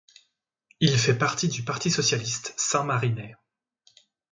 Il fait partie du Parti socialiste saint-marinais.